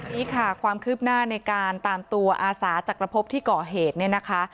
ทีนี้ค่ะความคืบหน้าในการตามตัวอาสาจักรพบที่ก่อเหตุเนี่ยนะคะ